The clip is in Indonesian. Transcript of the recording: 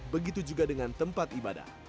begitu juga dengan tempat ibadah